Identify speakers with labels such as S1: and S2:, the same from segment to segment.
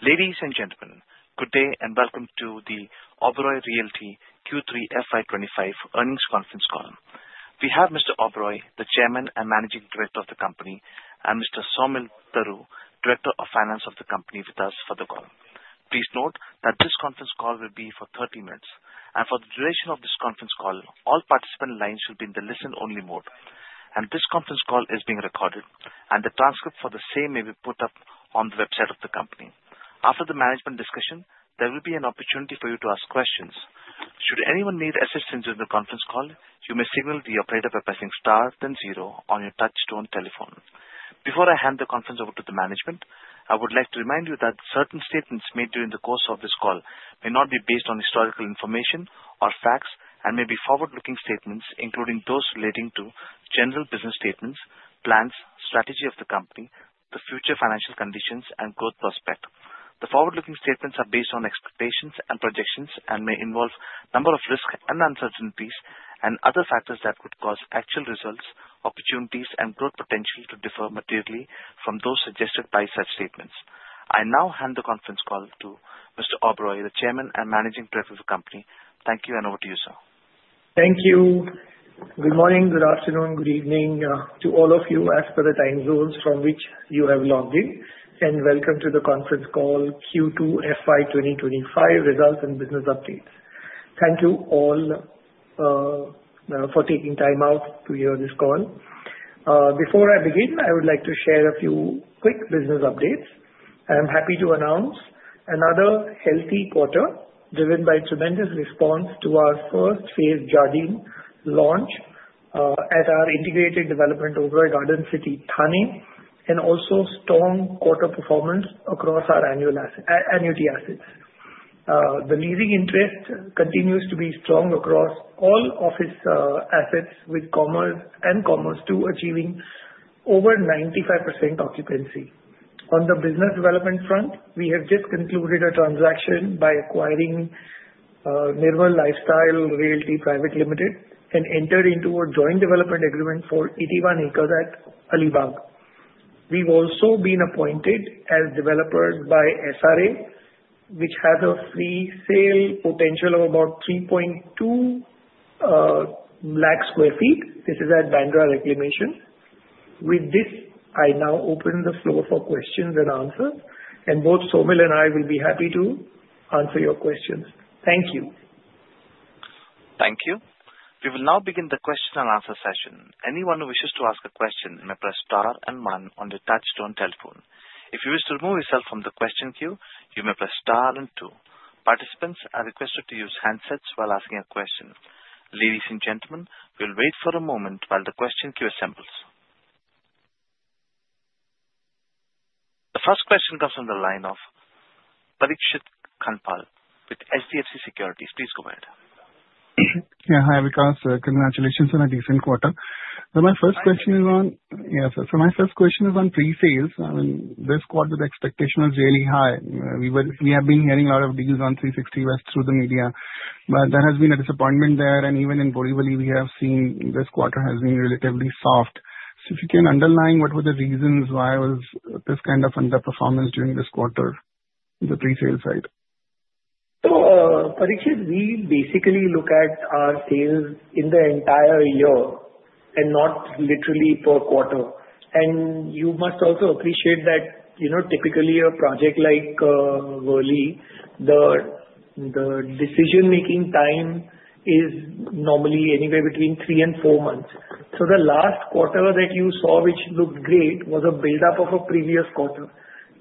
S1: Ladies and gentlemen, good day and welcome to the Oberoi Realty Q3 FY25 Earnings Conference Call. We have Mr. Oberoi, the Chairman and Managing Director of the company, and Mr. Saumil Daru, Director of Finance of the company, with us for the call. Please note that this conference call will be for 30 minutes, and for the duration of this conference call, all participant lines will be in the listen-only mode, and this conference call is being recorded, and the transcript for the same may be put up on the website of the company. After the management discussion, there will be an opportunity for you to ask questions. Should anyone need assistance during the conference call, you may signal the operator by pressing star then zero on your touch-tone telephone. Before I hand the conference over to the management, I would like to remind you that certain statements made during the course of this call may not be based on historical information or facts and may be forward-looking statements, including those relating to general business statements, plans, strategy of the company, the future financial conditions, and growth prospect. The forward-looking statements are based on expectations and projections and may involve a number of risks and uncertainties and other factors that could cause actual results, opportunities, and growth potential to differ materially from those suggested by such statements. I now hand the conference call to Mr. Oberoi, the Chairman and Managing Director of the company. Thank you, and over to you, sir.
S2: Thank you. Good morning, good afternoon, good evening to all of you as per the time zones from which you have logged in, and welcome to the conference call Q2 FY25 results and business updates. Thank you all for taking time out to hear this call. Before I begin, I would like to share a few quick business updates. I'm happy to announce another healthy quarter driven by tremendous response to our first phase Jardin launch at our integrated development, Oberoi Garden City Thane, and also strong quarter performance across our annuity assets. The leasing interest continues to be strong across all office assets with Commerz and Commerz II achieving over 95% occupancy. On the business development front, we have just concluded a transaction by acquiring Nirmal Lifestyle Realty Private Limited and entered into a joint development agreement for 81 acres at Alibaug. We've also been appointed as developers by SRA, which has a free sale potential of about 3.2 lakh sq ft. This is at Bandra Reclamation. With this, I now open the floor for questions and answers, and both Saumil and I will be happy to answer your questions. Thank you.
S1: Thank you. We will now begin the question and answer session. Anyone who wishes to ask a question may press star and one on the touch-tone telephone. If you wish to remove yourself from the question queue, you may press star and two. Participants are requested to use handsets while asking a question. Ladies and gentlemen, we'll wait for a moment while the question queue assembles. The first question comes from the line of Parikshit Kandpal with HDFC Securities. Please go ahead.
S3: Yeah, hi, Vikas. Congratulations on a decent quarter. So my first question is on pre-sales. I mean, this quarter, the expectation was really high. We have been hearing a lot of deals on 360 West through the media, but there has been a disappointment there. And even in Borivali, we have seen this quarter has been relatively soft. So if you can underline what were the reasons why was this kind of underperformance during this quarter on the pre-sales side?
S2: So Parikshit, we basically look at our sales in the entire year and not literally per quarter. And you must also appreciate that typically a project like Worli, the decision-making time is normally anywhere between three and four months. So the last quarter that you saw, which looked great, was a buildup of a previous quarter.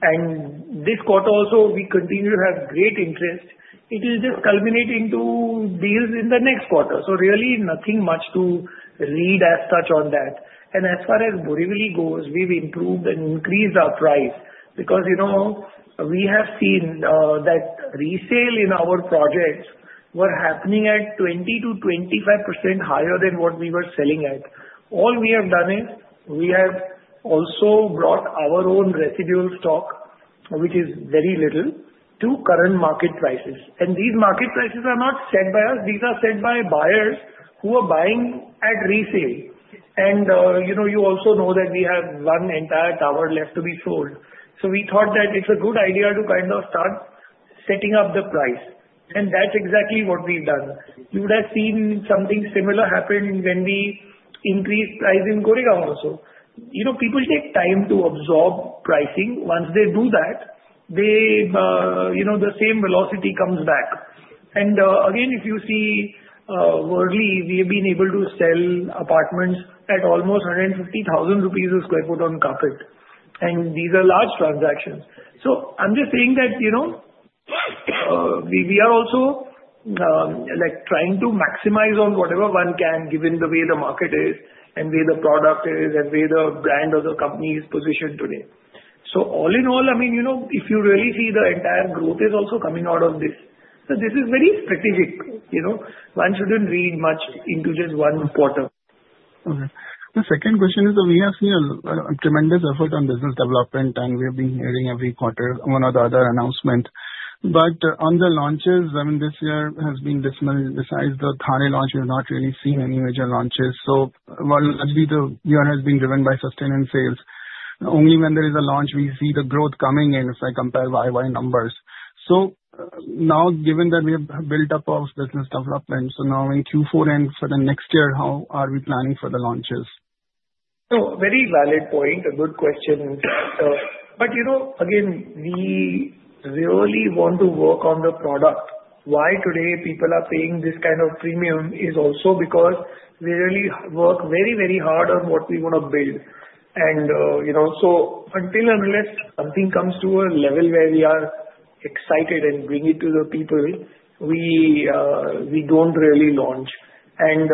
S2: And this quarter also, we continue to have great interest. It will just culminate into deals in the next quarter. So really nothing much to read as such on that. And as far as Borivali goes, we've improved and increased our price because we have seen that resale in our projects were happening at 20%-25% higher than what we were selling at. All we have done is we have also brought our own residual stock, which is very little, to current market prices. These market prices are not set by us. These are set by buyers who are buying at resale. And you also know that we have one entire tower left to be sold. So we thought that it's a good idea to kind of start setting up the price. And that's exactly what we've done. You would have seen something similar happen when we increased price in Goregaon also. People take time to absorb pricing. Once they do that, the same velocity comes back. And again, if you see Worli, we have been able to sell apartments at almost 150,000 rupees a sq ft on carpet. And these are large transactions. So I'm just saying that we are also trying to maximize on whatever one can given the way the market is and where the product is and where the brand of the company is positioned today. So all in all, I mean, if you really see the entire growth is also coming out of this. So this is very strategic. One shouldn't read much into just one quarter.
S3: The second question is that we have seen a tremendous effort on business development, and we have been hearing every quarter one or the other announcement. But on the launches, I mean, this year has been dissimilar. Besides the Thane launch, we've not really seen any major launches. So largely, the year has been driven by sustained sales. Only when there is a launch, we see the growth coming in if I compare YY numbers. So now, given that we have built up our business development, so now in Q4 and for the next year, how are we planning for the launches?
S2: Very valid point, a good question. But again, we really want to work on the product. Why today people are paying this kind of premium is also because we really work very, very hard on what we want to build. And so until unless something comes to a level where we are excited and bring it to the people, we don't really launch. And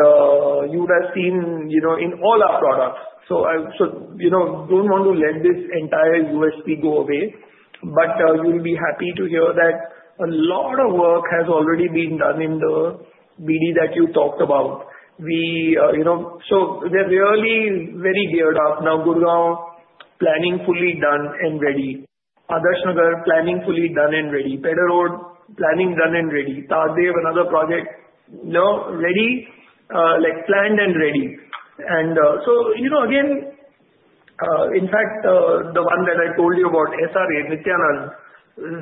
S2: you would have seen in all our products. I don't want to let this entire USP go away, but you'll be happy to hear that a lot of work has already been done in the BD that you talked about. So they're really very geared up. Now, Gurugram planning fully done and ready. Adarsh Nagar planning fully done and ready. Pedder Road planning done and ready. Tardeo, another project, ready, planned and ready. And so again, in fact, the one that I told you about, SRA, Nityanand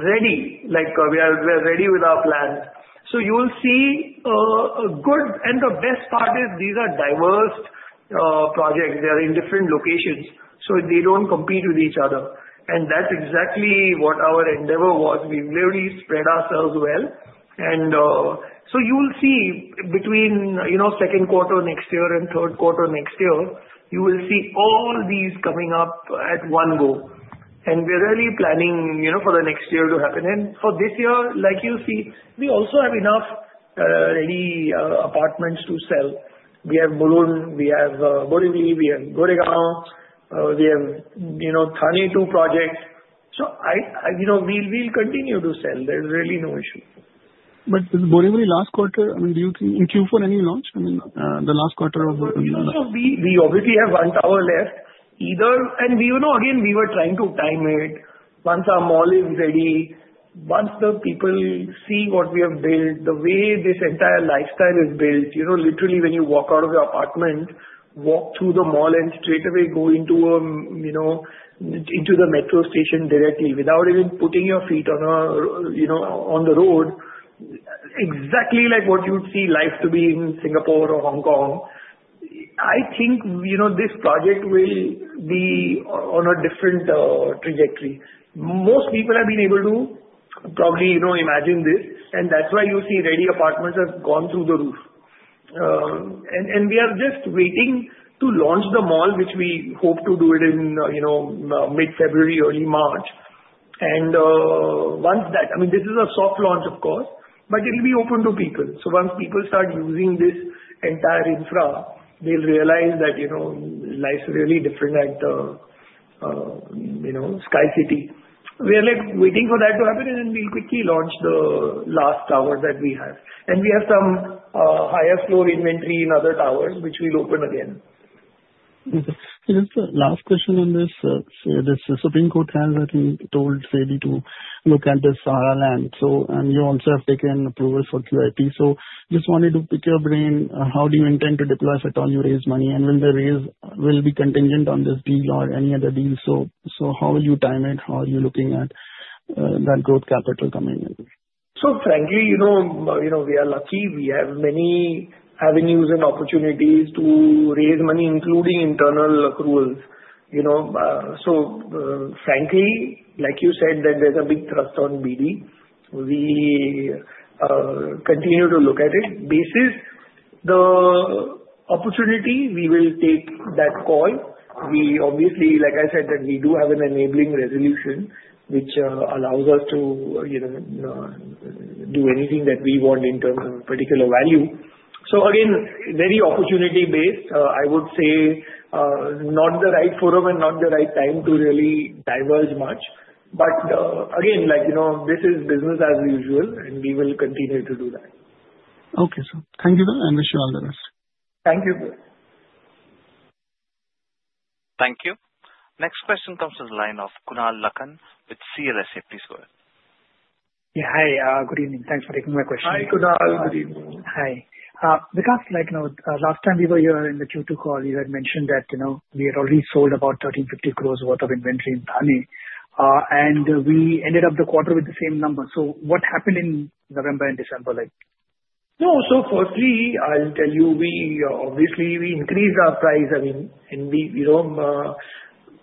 S2: ready. We are ready with our plan. So you'll see a good and the best part is these are diverse projects. They are in different locations, so they don't compete with each other. And that's exactly what our endeavor was. We really spread ourselves well. And so you'll see between second quarter next year and third quarter next year, you will see all these coming up at one go. And we're really planning for the next year to happen. And for this year, like you see, we also have enough ready apartments to sell. We have Mulund, we have Borivali, we have Goregaon, we have Thane, too project. So we'll continue to sell. There's really no issue.
S3: But Borivali, last quarter, I mean, do you think in Q4 any launch? I mean, the last quarter of.
S2: We obviously have one tower left and again, we were trying to time it. Once our mall is ready, once the people see what we have built, the way this entire lifestyle is built, literally when you walk out of your apartment, walk through the mall and straight away go into the metro station directly without even putting your feet on the road, exactly like what you'd see life to be in Singapore or Hong Kong, I think this project will be on a different trajectory. Most people have been able to probably imagine this, and that's why you see ready apartments have gone through the roof. We are just waiting to launch the mall, which we hope to do it in mid-February, early March. Once that, I mean, this is a soft launch, of course, but it'll be open to people. So once people start using this entire infra, they'll realize that life's really different at Sky City. We are waiting for that to happen, and we'll quickly launch the last tower that we have. And we have some higher floor inventory in other towers, which we'll open again.
S3: Just the last question on this. The Supreme Court has, I think, told Sahara to look at this Sahara land. So you also have taken approval for QIP. So just wanted to pick your brain. How do you intend to deploy if at all you raise money? And will the raise be contingent on this deal or any other deal? So how will you time it? How are you looking at that growth capital coming in?
S2: So frankly, we are lucky. We have many avenues and opportunities to raise money, including internal accruals. So frankly, like you said, that there's a big trust on BD. We continue to look at it. Based on the opportunity, we will take that call. We obviously, like I said, that we do have an enabling resolution, which allows us to do anything that we want in terms of particular value. So again, very opportunity-based. I would say not the right forum and not the right time to really diverge much. But again, this is business as usual, and we will continue to do that.
S3: Okay, sir. Thank you, sir. I wish you all the best.
S2: Thank you.
S1: Thank you. Next question comes from the line of Kunal Lakhan with CLSA.
S4: Yeah, hi. Good evening. Thanks for taking my question.
S2: Hi, Kunal. Good evening.
S4: Hi. Vikas, last time we were here in the Q2 call, you had mentioned that we had already sold about 1,350 crores worth of inventory in Thane. And we ended up the quarter with the same number. So what happened in November and December?
S2: No. Firstly, I'll tell you, obviously, we increased our price. I mean,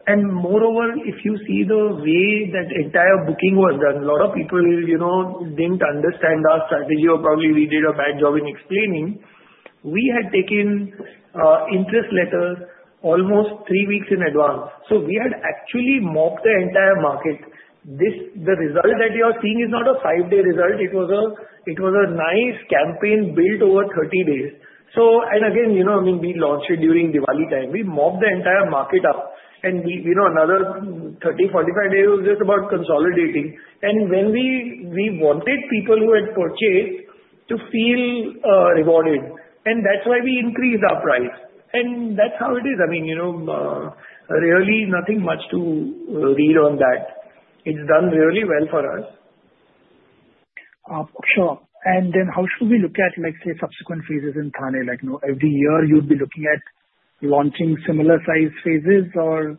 S2: and moreover, if you see the way that entire booking was done, a lot of people didn't understand our strategy or probably we did a bad job in explaining. We had taken interest letters almost three weeks in advance. So we had actually mopped the entire market. The result that you are seeing is not a five-day result. It was a nice campaign built over 30 days. And again, I mean, we launched it during Diwali time. We mopped the entire market up. And another 30, 45 days was just about consolidating. And we wanted people who had purchased to feel rewarded. And that's why we increased our price. And that's how it is. I mean, really nothing much to read on that. It's done really well for us.
S4: Sure. And then how should we look at, let's say, subsequent phases in Thane? Every year, you'd be looking at launching similar-sized phases, or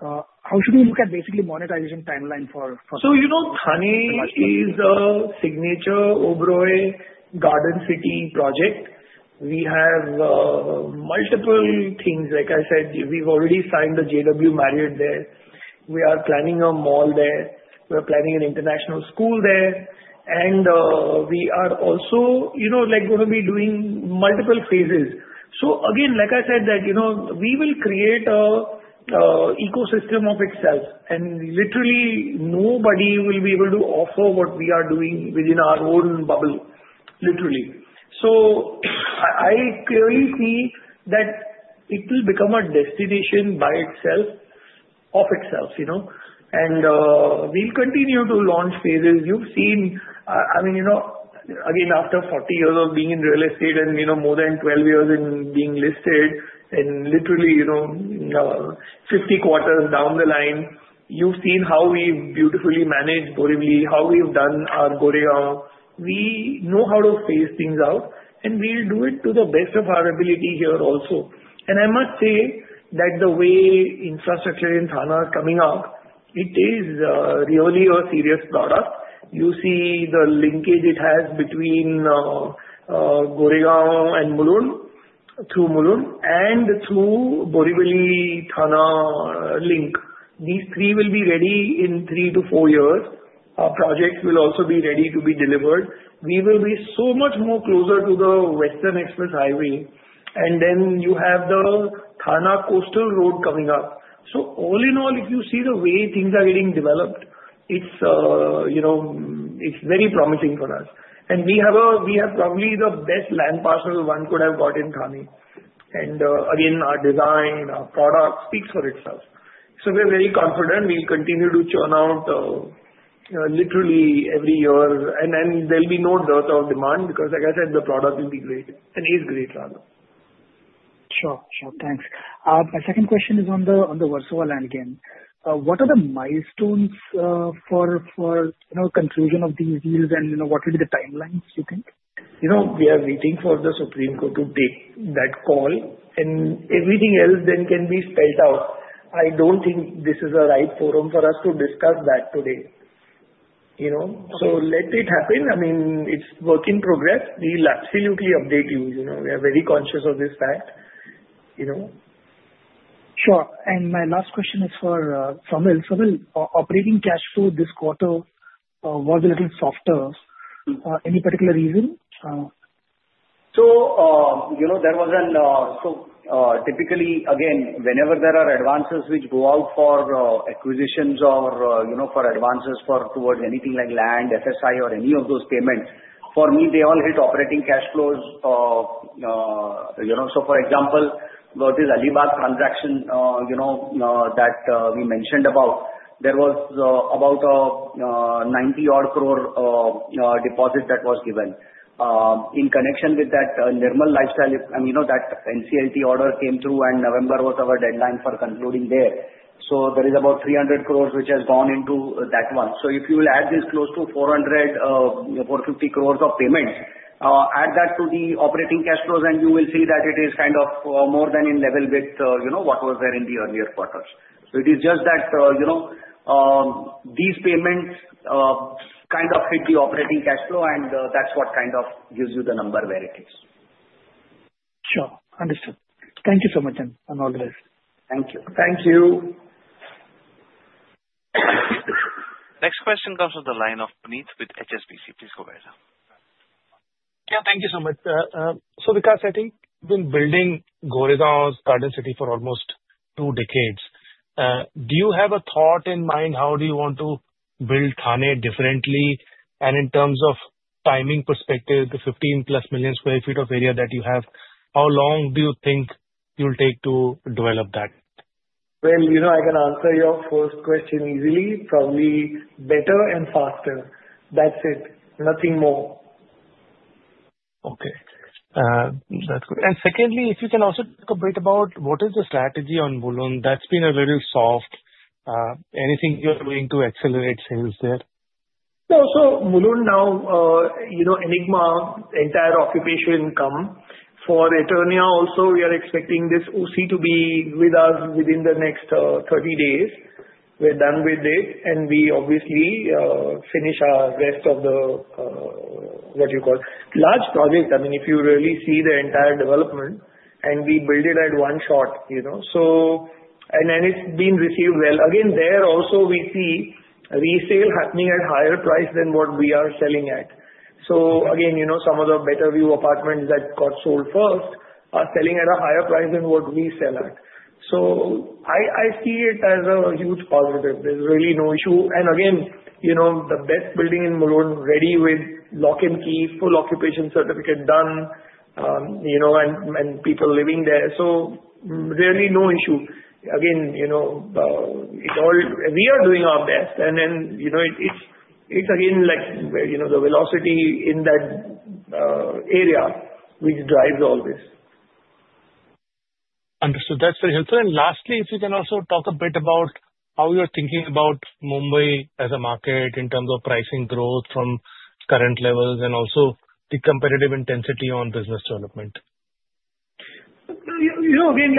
S4: how should we look at basically monetization timeline for Thane?
S2: So Thane is a signature Oberoi Garden City project. We have multiple things. Like I said, we've already signed the JW Marriott there. We are planning a mall there. We're planning an international school there. And we are also going to be doing multiple phases. So again, like I said, we will create an ecosystem of itself. And literally, nobody will be able to offer what we are doing within our own bubble, literally. So I clearly see that it will become a destination by itself of itself. And we'll continue to launch phases. You've seen, I mean, again, after 40 years of being in real estate and more than 12 years in being listed and literally 50 quarters down the line, you've seen how we've beautifully managed Borivali, how we've done our Goregaon. We know how to phase things out, and we'll do it to the best of our ability here also. And I must say that the way infrastructure in Thane is coming up, it is really a serious product. You see the linkage it has between Goregaon and Mulund through Mulund and through Borivali, Thane link. These three will be ready in three to four years. Our projects will also be ready to be delivered. We will be so much more closer to the Western Express Highway. And then you have the Thane Coastal Road coming up. So all in all, if you see the way things are getting developed, it's very promising for us. And we have probably the best land parcel one could have got in Thane. And again, our design, our product speaks for itself. So we're very confident we'll continue to churn out literally every year. Then there'll be no dearth of demand because, like I said, the product will be great and is great rather.
S4: Sure. Sure. Thanks. My second question is on the Versova land again. What are the milestones for conclusion of these deals? And what will be the timelines, do you think?
S2: We are waiting for the Supreme Court to take that call, and everything else then can be spelled out. I don't think this is the right forum for us to discuss that today, so let it happen. I mean, it's work in progress. We'll absolutely update you. We are very conscious of this fact.
S4: Sure. And my last question is for Saumil. Saumil, operating cash flow this quarter was a little softer. Any particular reason?
S5: Typically, again, whenever there are advances which go out for acquisitions or for advances towards anything like land, FSI, or any of those payments, for me, they all hit operating cash flows. So for example, what is the Alibaug transaction that we mentioned about? There was about a 90-odd crore deposit that was given. In connection with that, Nirmal Lifestyle, I mean, that NCLT order came through, and November was our deadline for concluding there. So there is about 300 crores which has gone into that one. So if you will add this close to 450 crores of payments, add that to the operating cash flows, and you will see that it is kind of more than in level with what was there in the earlier quarters. So it is just that these payments kind of hit the operating cash flow, and that's what kind of gives you the number where it is.
S4: Sure. Understood. Thank you so much, and all the best.
S2: Thank you. Thank you.
S1: Next question comes from the line of Puneet with HSBC. Please go ahead.
S6: Yeah. Thank you so much. So Vikas, I think we've been building Goregaon's Garden City for almost two decades. Do you have a thought in mind how do you want to build Thane differently? And in terms of timing perspective, the 15+ million sq ft of area that you have, how long do you think you'll take to develop that?
S2: I can answer your first question easily. Probably better and faster. That's it. Nothing more.
S6: Okay. That's good, and secondly, if you can also talk a bit about what is the strategy on Mulund? That's been a little soft. Anything you're doing to accelerate sales there?
S2: No. So Mulund now, Enigma, entire occupation come. For Eternia, also, we are expecting this OC to be with us within the next 30 days. We're done with it. And we obviously finish our rest of the, what do you call it? Large project. I mean, if you really see the entire development, and we build it at one shot. And it's been received well. Again, there also, we see resale happening at higher price than what we are selling at. So again, some of the better view apartments that got sold first are selling at a higher price than what we sell at. So I see it as a huge positive. There's really no issue. And again, the best building in Mulund ready with lock and key, full occupation certificate done, and people living there. So really no issue. Again, we are doing our best. It's again the velocity in that area which drives all this.
S6: Understood. That's very helpful. And lastly, if you can also talk a bit about how you're thinking about Mumbai as a market in terms of pricing growth from current levels and also the competitive intensity on business development.
S2: Again,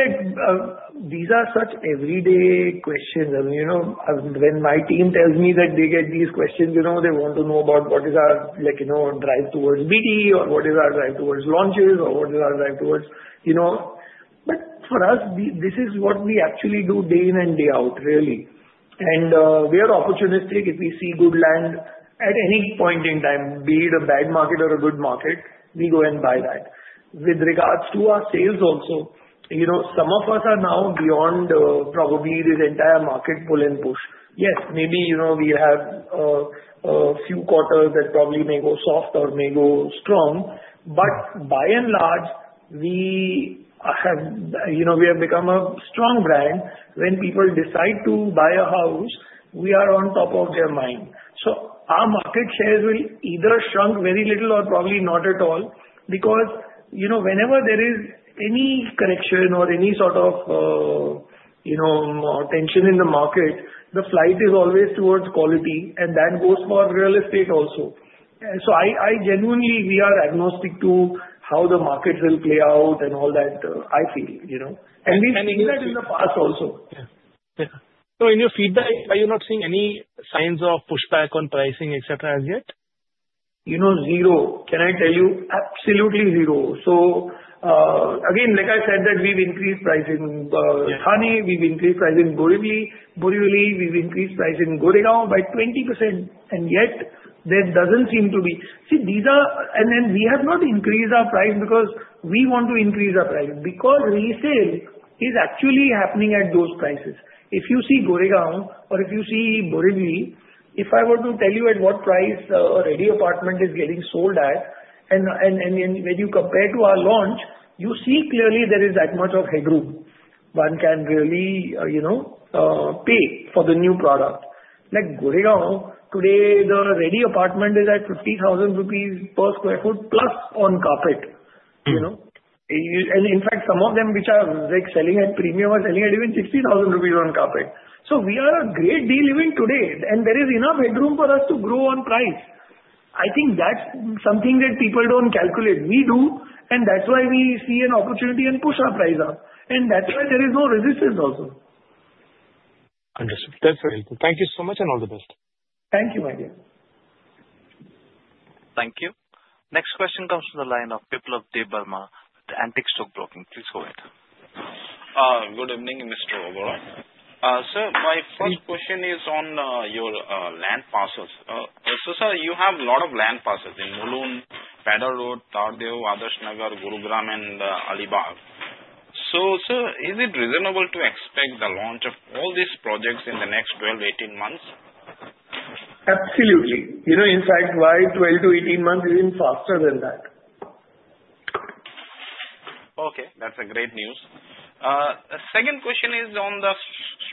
S2: these are such everyday questions. When my team tells me that they get these questions, they want to know about what is our drive towards BD or what is our drive towards launches or what is our drive towards but for us, this is what we actually do day in and day out, really. And we are opportunistic. If we see good land at any point in time, be it a bad market or a good market, we go and buy that. With regards to our sales also, some of us are now beyond probably this entire market pull and push. Yes, maybe we have a few quarters that probably may go soft or may go strong. But by and large, we have become a strong brand. When people decide to buy a house, we are on top of their mind. So our market shares will either shrink very little or probably not at all because whenever there is any correction or any sort of tension in the market, the flight is always towards quality. And that goes for real estate also. So I genuinely, we are agnostic to how the market will play out and all that, I feel. And we've seen that in the past also.
S6: Yeah. So in your feedback, are you not seeing any signs of pushback on pricing, etc., as yet?
S2: Zero. Can I tell you? Absolutely zero. So again, like I said, that we've increased pricing in Thane. We've increased pricing in Borivali. We've increased pricing in Goregaon by 20%. And yet, there doesn't seem to be. See, these are and then we have not increased our price because we want to increase our price because resale is actually happening at those prices. If you see Goregaon or if you see Borivali, if I were to tell you at what price a ready apartment is getting sold at, and when you compare to our launch, you see clearly there is that much of headroom. One can really pay for the new product. Like Goregaon, today, the ready apartment is at 50,000 rupees per sq ft+ on carpet. And in fact, some of them which are selling at premium are selling at even 60,000 rupees on carpet. So we are a great deal even today. And there is enough headroom for us to grow on price. I think that's something that people don't calculate. We do. And that's why we see an opportunity and push our price up. And that's why there is no resistance also.
S6: Understood. That's very helpful. Thank you so much, and all the best.
S2: Thank you, my dear.
S1: Thank you. Next question comes from the line of Biplab Debbarma with Antique Stock Broking. Please go ahead.
S7: Good evening, Mr. Oberoi. Sir, my first question is on your land parcels. So sir, you have a lot of land parcels in Mulund, Pedder Road, Tardeo, Adarsh Nagar, Gurugram, and Alibaug. So sir, is it reasonable to expect the launch of all these projects in the next 12-18 months?
S2: Absolutely. In fact, why 12-18 months isn't faster than that?
S7: Okay. That's great news. Second question is on the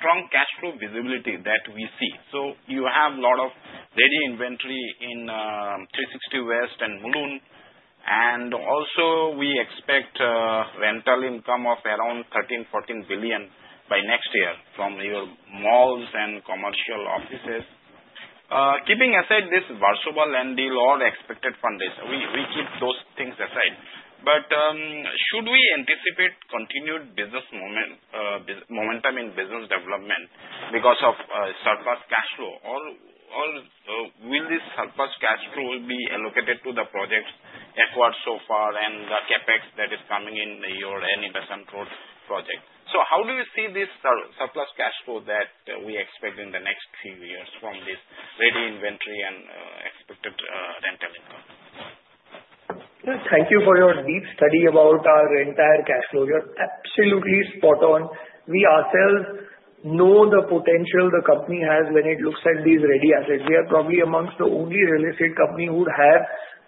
S7: strong cash flow visibility that we see. So you have a lot of ready inventory in 360 West and Mulund. And also, we expect rental income of around 13-14 billion by next year from your malls and commercial offices. Keeping aside this Versova land deal or expected funds, we keep those things aside. But should we anticipate continued business momentum in business development because of surplus cash flow? Or will this surplus cash flow be allocated to the project's efforts so far and the CapEx that is coming in your Dr. Annie Besant Road project? So how do you see this surplus cash flow that we expect in the next few years from this ready inventory and expected rental income?
S2: Thank you for your deep study about our entire cash flow. You're absolutely spot on. We ourselves know the potential the company has when it looks at these ready assets. We are probably amongst the only real estate company who have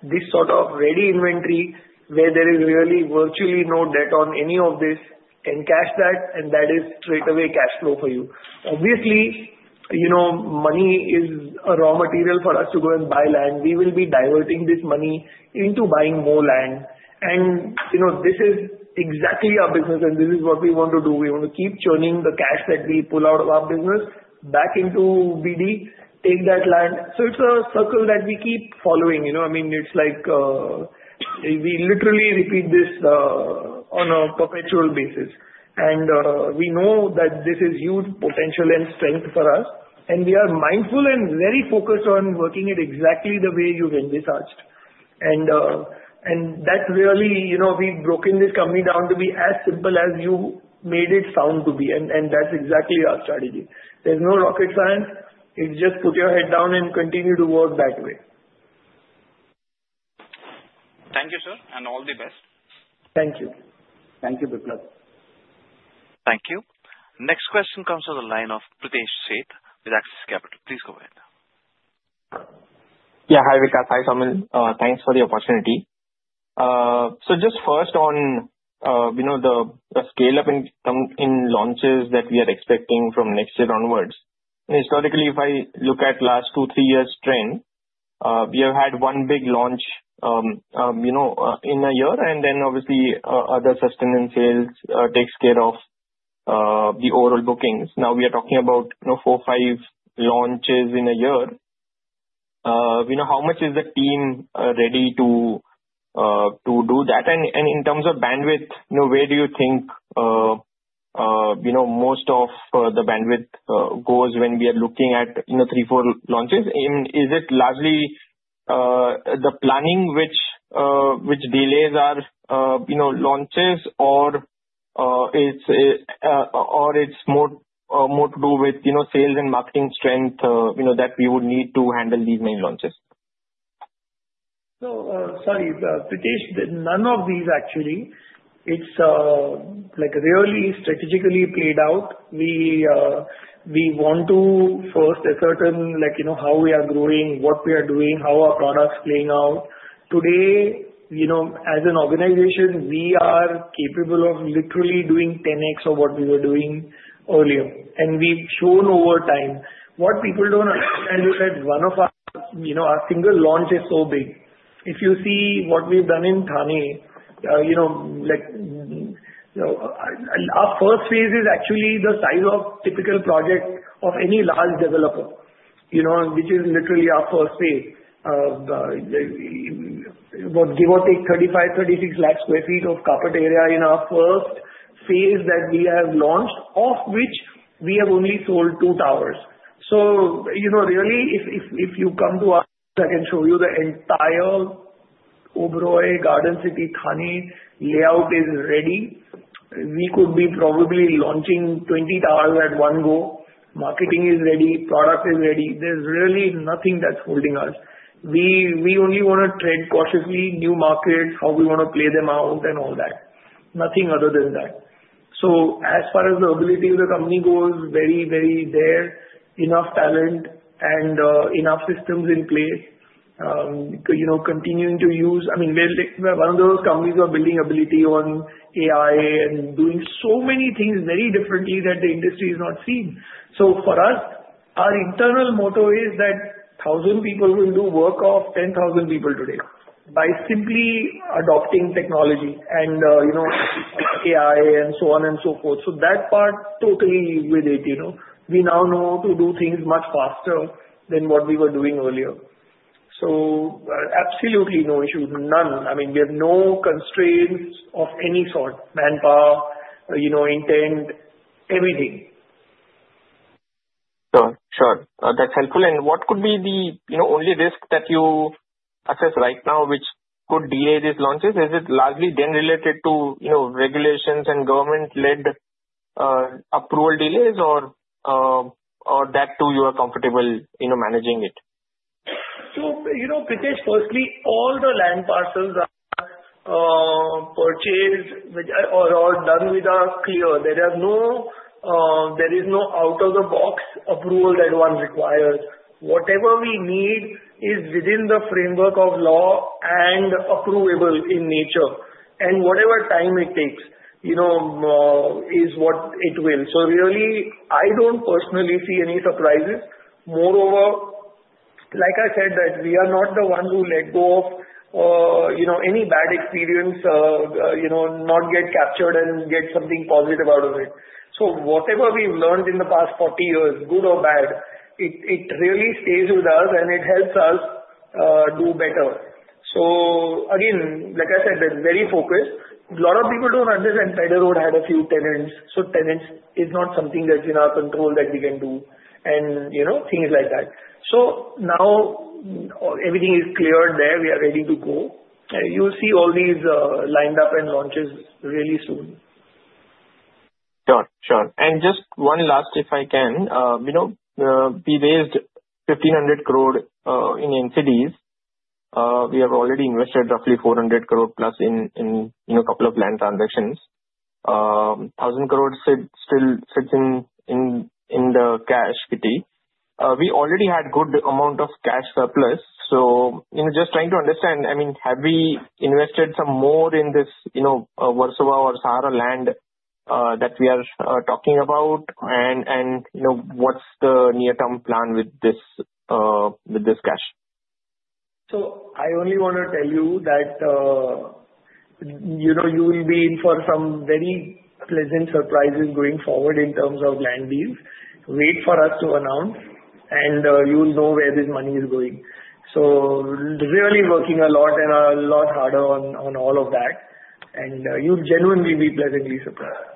S2: this sort of ready inventory where there is really virtually no debt on any of this and cash that, and that is straight away cash flow for you. Obviously, money is a raw material for us to go and buy land. We will be diverting this money into buying more land, and this is exactly our business, and this is what we want to do. We want to keep churning the cash that we pull out of our business back into BD, take that land, so it's a circle that we keep following. I mean, it's like we literally repeat this on a perpetual basis. We know that this is huge potential and strength for us. We are mindful and very focused on working it exactly the way you've envisaged. That's really we've broken this company down to be as simple as you made it sound to be. That's exactly our strategy. There's no rocket science. It's just put your head down and continue to work that way.
S7: Thank you, sir. And all the best.
S2: Thank you.
S5: Thank you, Biplab.
S1: Thank you. Next question comes from the line of Pritesh Sheth with Axis Capital. Please go ahead.
S8: Yeah. Hi, Vikas. Hi, Saumil. Thanks for the opportunity. So just first on the scale-up in launches that we are expecting from next year onwards. Historically, if I look at the last two, three years' trend, we have had one big launch in a year. And then obviously, other sustenance sales takes care of the overall bookings. Now we are talking about four, five launches in a year. How much is the team ready to do that? And in terms of bandwidth, where do you think most of the bandwidth goes when we are looking at three, four launches? Is it largely the planning which delays our launches, or it's more to do with sales and marketing strength that we would need to handle these main launches?
S2: So sorry, Pritesh, none of these actually. It's really strategically played out. We want to first assert how we are growing, what we are doing, how our product's playing out. Today, as an organization, we are capable of literally doing 10X of what we were doing earlier. And we've shown over time. What people don't understand is that one of our single launch is so big. If you see what we've done in Thane, our first phase is actually the size of a typical project of any large developer, which is literally our first phase. Give or take 35-36 lakh sq ft of carpet area in our first phase that we have launched, of which we have only sold two towers. So really, if you come to us, I can show you the entire Oberoi Garden City Thane layout is ready. We could be probably launching 20 towers at one go. Marketing is ready. Product is ready. There's really nothing that's holding us. We only want to tread cautiously new markets, how we want to play them out, and all that. Nothing other than that. So as far as the ability of the company goes, very, very there. Enough talent and enough systems in place. Continuing to use, I mean, we're one of those companies who are building ability on AI and doing so many things very differently that the industry has not seen. So for us, our internal motto is that 1,000 people will do work of 10,000 people today by simply adopting technology and AI and so on and so forth. So that part totally with it. We now know how to do things much faster than what we were doing earlier. So absolutely no issues. None. I mean, we have no constraints of any sort. Manpower, intent, everything.
S8: Sure. Sure. That's helpful. And what could be the only risk that you assess right now which could delay these launches? Is it largely then related to regulations and government-led approval delays, or that too you are comfortable managing it?
S2: So Pritesh, firstly, all the land parcels are purchased or done with a clear. There is no out-of-the-box approval that one requires. Whatever we need is within the framework of law and approvable in nature. And whatever time it takes is what it will. So really, I don't personally see any surprises. Moreover, like I said, that we are not the ones who let go of any bad experience, not get captured, and get something positive out of it. So whatever we've learned in the past 40 years, good or bad, it really stays with us, and it helps us do better. So again, like I said, we're very focused. A lot of people don't understand Pedder Road had a few tenants. So tenants is not something that's in our control that we can do and things like that. So now everything is cleared there. We are ready to go. You'll see all these lined up and launches really soon.
S8: Sure. Sure. And just one last, if I can. We raised 1,500 crore in NCDs. We have already invested roughly 400 crore+ in a couple of land transactions. 1,000 crore still sits in the cash kitty. We already had a good amount of cash surplus. So just trying to understand, I mean, have we invested some more in this Versova or Sahara land that we are talking about? And what's the near-term plan with this cash?
S2: So I only want to tell you that you will be in for some very pleasant surprises going forward in terms of land deals. Wait for us to announce, and you'll know where this money is going. So really working a lot and a lot harder on all of that. And you'll genuinely be pleasantly surprised.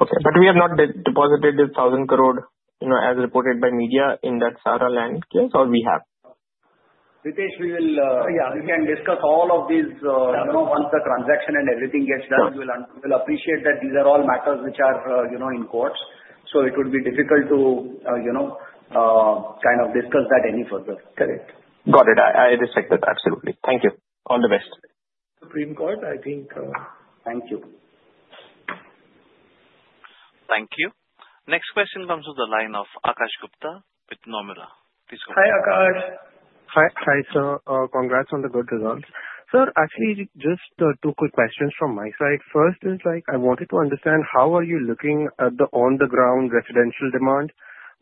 S8: Okay, but we have not deposited this 1,000 crore as reported by media in that Sahara land case, or we have?
S5: Pritesh, we will.
S8: Yeah.
S5: We can discuss all of these once the transaction and everything gets done. We will appreciate that these are all matters which are in courts. So it would be difficult to kind of discuss that any further.
S8: Correct. Got it. I respect that. Absolutely. Thank you. All the best.
S2: Supreme Court. I think.
S8: Thank you.
S1: Thank you. Next question comes from the line of Akash Gupta with Nomura. Please go ahead.
S2: Hi, Akash.
S9: Hi. Hi, sir. Congrats on the good results. Sir, actually, just two quick questions from my side. First is I wanted to understand how are you looking at the on-the-ground residential demand,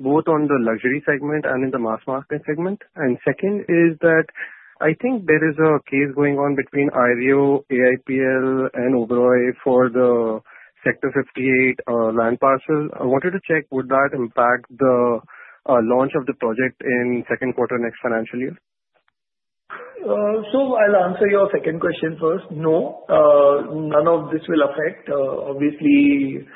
S9: both on the luxury segment and in the mass market segment? And second is that I think there is a case going on between IREO, AIPL, and Oberoi for the Sector 58 land parcel. I wanted to check, would that impact the launch of the project in second quarter next financial year?
S2: So I'll answer your second question first. No. None of this will affect. Obviously,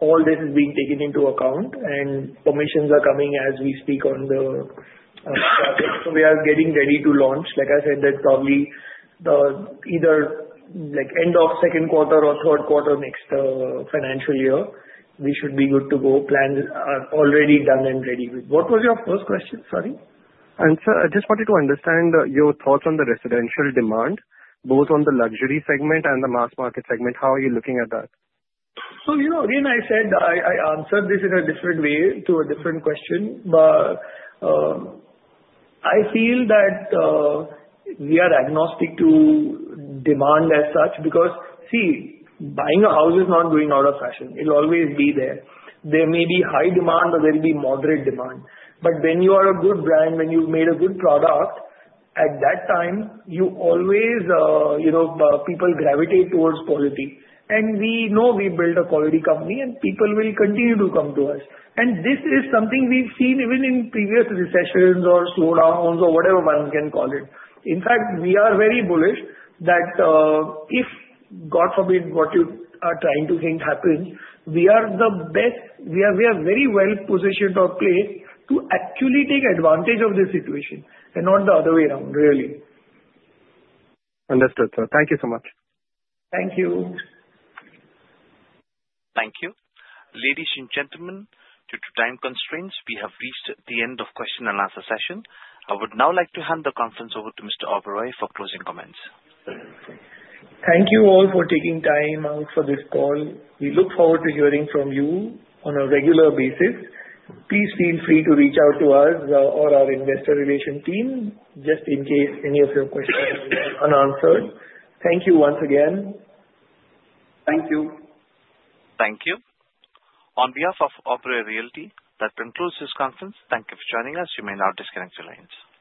S2: all this is being taken into account, and permissions are coming as we speak on the project. So we are getting ready to launch. Like I said, that's probably either end of second quarter or third quarter next financial year. We should be good to go. Plans are already done and ready. What was your first question? Sorry.
S9: Sir, I just wanted to understand your thoughts on the residential demand, both on the luxury segment and the mass market segment. How are you looking at that?
S2: So again, I said I answered this in a different way to a different question. But I feel that we are agnostic to demand as such because, see, buying a house is not going out of fashion. It'll always be there. There may be high demand, or there'll be moderate demand. But when you are a good brand, when you've made a good product, at that time, you always people gravitate towards quality. And we know we built a quality company, and people will continue to come to us. And this is something we've seen even in previous recessions or slowdowns or whatever one can call it. In fact, we are very bullish that if, God forbid, what you are trying to think happens, we are the best. We are very well positioned or placed to actually take advantage of this situation and not the other way around, really.
S9: Understood, sir. Thank you so much.
S2: Thank you.
S1: Thank you. Ladies and gentlemen, due to time constraints, we have reached the end of the question and answer session. I would now like to hand the conference over to Mr. Oberoi for closing comments.
S2: Thank you all for taking time out for this call. We look forward to hearing from you on a regular basis. Please feel free to reach out to us or our investor relations team just in case any of your questions are unanswered. Thank you once again. Thank you.
S1: Thank you. On behalf of Oberoi Realty, that concludes this conference. Thank you for joining us. You may now disconnect your lines.